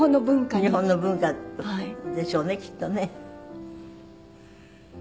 日本の文化でしょうねきっとね。